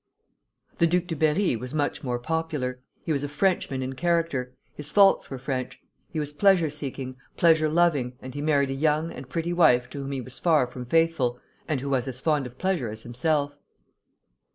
The Duc de Berri was much more popular. He was a Frenchman in character. His faults were French. He was pleasure seeking, pleasure loving, and he married a young and pretty wife to whom he was far from faithful, and who was as fond of pleasure as himself.